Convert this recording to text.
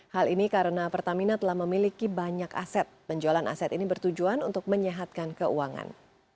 hal ini karena pertamina telah memiliki banyak aset penjualan aset ini bertujuan untuk menyehatkan keuangan